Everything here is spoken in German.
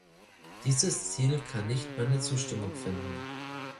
Dieses Ziel kann nicht meine Zustimmung finden.